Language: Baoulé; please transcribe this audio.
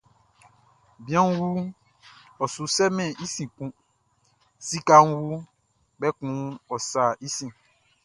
Bianʼn wu, ɔ su sɛmɛn i sin kun; sikaʼn wu, kpɛkun ɔ sa sin.